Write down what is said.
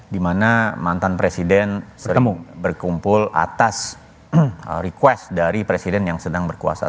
dimana mantan presiden berkumpul atas request dari presiden yang sedang berkuasa